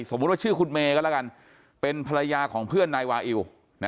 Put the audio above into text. ว่าชื่อคุณเมย์ก็แล้วกันเป็นภรรยาของเพื่อนนายวาอิว